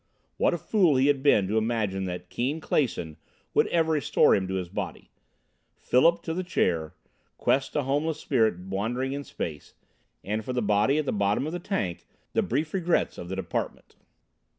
What a fool he had been to imagine that Keane Clason would ever restore him to his body! Philip to the chair, Quest a homeless spirit wandering in space, and for the body at the bottom of the tank, the brief regrets of the Department!